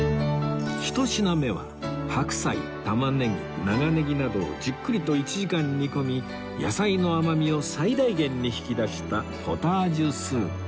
１品目は白菜玉ねぎ長ねぎなどをじっくりと１時間煮込み野菜の甘みを最大限に引き出したポタージュスープ